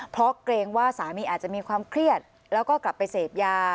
เพราะเกรงว่าสามีอาจจะมีความเครียดแล้วก็กลับไปเสพยา